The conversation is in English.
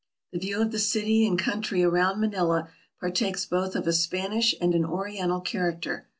The view of the city and country around Manila par takes both of a Spanish and an Oriental character.